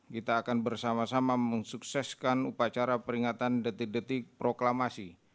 kita akan bersama sama mensukseskan upacara peringatan detik detik proklamasi